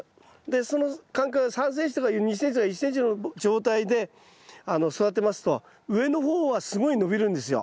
でその間隔が３ｃｍとか２ｃｍとか１ｃｍの状態で育てますと上の方はすごい伸びるんですよ。